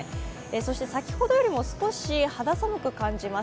そして先ほどよりも少し肌寒く感じま。